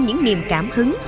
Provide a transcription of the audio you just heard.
những niềm cảm hứng